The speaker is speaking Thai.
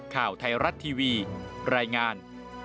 ข่าวไทยรัฐทีวีรายงาน